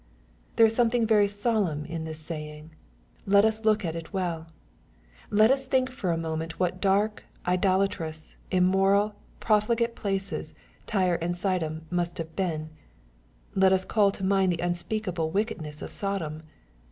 There is something very solemn in this saying. Let lis look at it well. Let us think for a moment what dark, idolatrous, immoral, profligate places Tyre and Sidon must have been. Let us call to mind the unspeak able wickedness of Sodom.